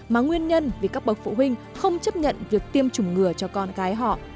mà nguyên nhân vì các bậc phụ huynh không chấp nhận việc tiêm chủng ngừa cho con cái họ